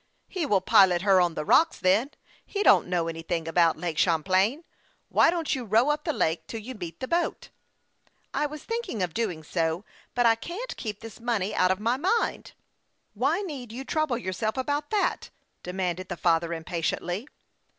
" He will pilot her on the rocks, then. He don't know anything about Lake Champlain. Why don't you row up the lake till you meet the boat." " I was thinking of doing so, but I can't keep this money out of my mind." " Why need you trouble yourself about that ?" demanded the father, impatiently.